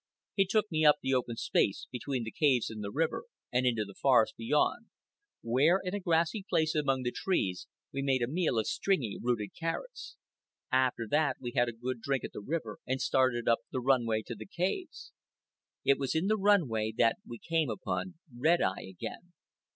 He took me up the open space, between the caves and the river, and into the forest beyond, where, in a grassy place among the trees, we made a meal of stringy rooted carrots. After that we had a good drink at the river and started up the run way to the caves. It was in the run way that we came upon Red Eye again.